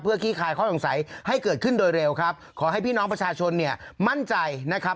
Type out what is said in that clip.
ขี้คายข้อสงสัยให้เกิดขึ้นโดยเร็วครับขอให้พี่น้องประชาชนเนี่ยมั่นใจนะครับ